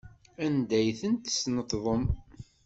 Anda ay ten-tesneṭḍem?